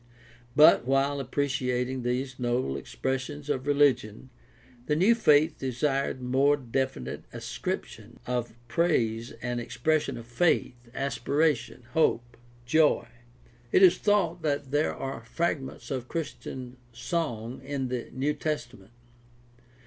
But while appreciating these noble expressions of religion, the new faith desired more definite ascriptions of praise and expression of faith, aspiration, hope, joy. It is thought that there are fragments of Christian song in the New Testament.